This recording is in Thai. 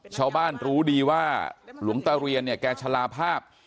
ชาวบ้านรู้ดีว่าหลวงตะเรียนเนี่ยแกชะลาภาพ